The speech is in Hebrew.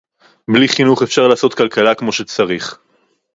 בלי חינוך אפשר לעשות כלכלה כמו שצריך